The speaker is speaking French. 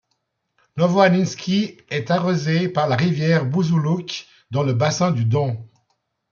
Novoanninski est arrosée par la rivière Bouzoulouk, dans le bassin du Don.